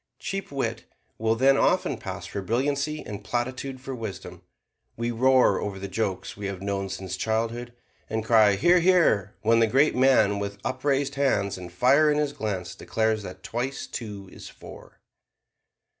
Cheap wit will then often pass for brilliancy, and platitude for wisdom. We roar over the jokes we have known since childhood, and cry "Hear, hear!" when the great man with upraised hands and fire in his glance declares that twice two is four.